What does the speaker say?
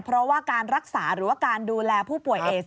เพราะว่าการรักษาหรือว่าการดูแลผู้ป่วยเอส